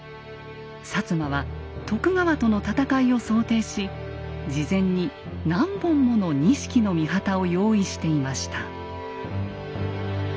摩は徳川との戦いを想定し事前に何本もの錦の御旗を用意していました。